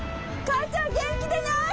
母ちゃん元気でない！